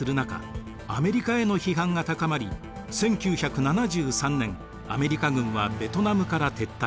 アメリカへの批判が高まり１９７３年アメリカ軍はベトナムから撤退。